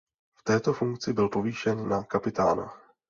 V této funkci byl povýšen na kapitána.